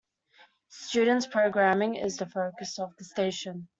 Student programming is the focus of the station.